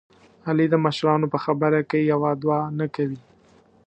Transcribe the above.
علي د مشرانو په خبره کې یوه دوه نه کوي.